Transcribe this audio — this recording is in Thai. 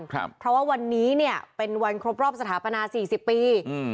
เพราะว่าวันนี้เนี่ยเป็นวันครบรอบสถาปนาสี่สิบปีอืม